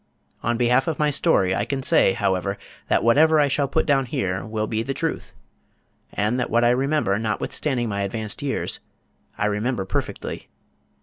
On behalf of my story I can say, however, that whatever I shall put down here will be the truth, and that what I remember notwithstanding my advanced years, I remember perfectly.